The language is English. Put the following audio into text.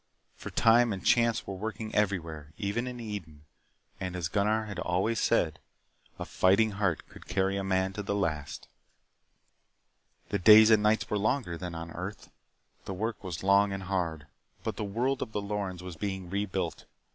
For time and chance were working everywhere even in Eden and as Gunnar had always said, a fighting heart could carry a man to the last. The days and the nights were longer than on earth. The work was long and hard. But the world of the Lorens was being rebuilt.